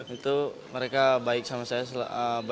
itu mereka baik sama saya